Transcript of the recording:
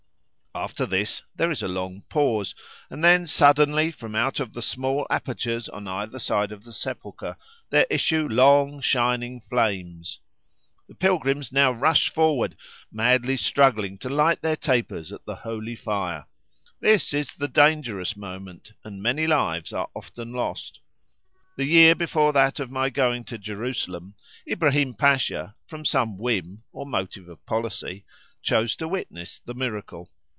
After this, there is a long pause, and then suddenly from out of the small apertures on either side of the sepulchre there issue long, shining flames. The pilgrims now rush forward, madly struggling to light their tapers at the holy fire. This is the dangerous moment, and many lives are often lost. The year before that of my going to Jerusalem, Ibrahim Pasha, from some whim, or motive of policy, chose to witness the miracle.